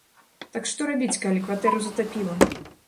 Так што рабіць, калі кватэру затапіла?